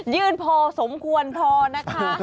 ยื่นพอสมควรพอนะคะ